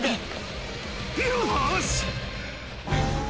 ・・よし！